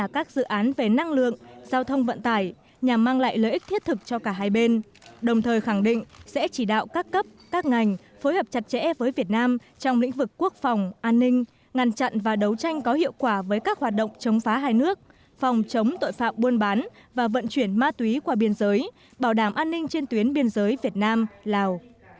các ngành phối hợp chặt chẽ với việt nam trong lĩnh vực quốc phòng an ninh ngăn chặn và đấu tranh có hiệu quả với các hoạt động chống phá hai nước phòng chống tội phạm buôn bán và vận chuyển ma túy qua biên giới bảo đảm an ninh trên tuyến biên giới việt nam lào